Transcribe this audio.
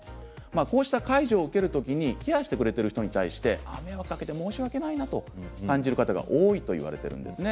こうした介助を受けるときにケアをしてくれる人に対して申し訳ないと感じる方が多いと言われています。